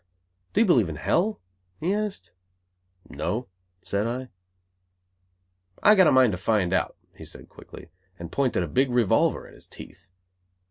"Do you believe in hell?" he asked. "No," said I. "I've got a mind to find out," he said quickly, and pointed a big revolver at his teeth.